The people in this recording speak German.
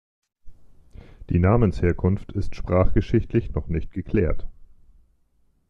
Die Namensherkunft ist sprachgeschichtlich noch nicht geklärt.